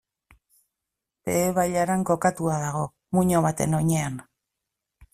Behe Bailaran kokatua dago, muino baten oinean.